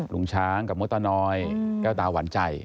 ลุงช้างกับมดตานอยแก้วตาหวานใจ